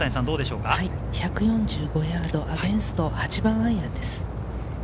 １４５ヤード、アゲンスト、８番アイアンです。